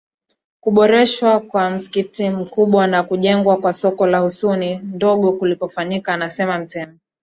kuboreshwa kwa msikiti mkubwa na kujengwa kwa soko la Husuni Ndogo kulipofanyika anasema Mtemi